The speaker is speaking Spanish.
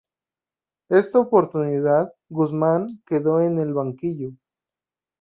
En esta oportunidad, Guzmán quedó en el banquillo.